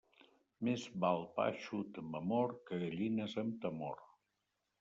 Més val pa eixut amb amor que gallines amb temor.